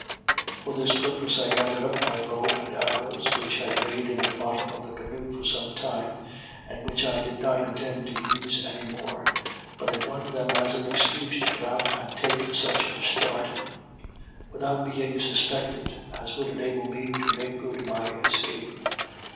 For this purpose I gathered up my bow and arrows, which had laid in the bottom of the canoe for some time, and which I did not intend to use any more, but I wanted them as an excuse to get out and take such a start, without being suspected, as would enable me to make good my escape.